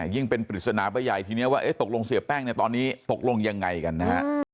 ยิ่งเป็นปริศนาไปใหญ่ทีนี้ว่าตกลงเสียแป้งเนี่ยตอนนี้ตกลงยังไงกันนะฮะ